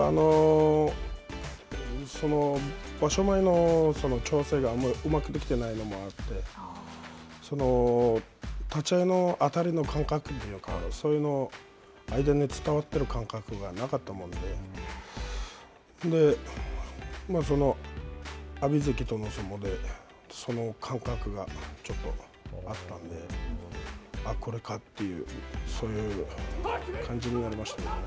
場所前の調整があんまりうまくできていないのもあって立ち合いの当たりの感覚というかそういうの相手に伝わってる感覚がなかったもんで阿炎関との相撲でその感覚がちょっとあったんであっ、これかっていうそういう感じになりましたね。